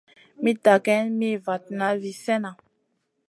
Mitta geyn mi vatna vi slèhna.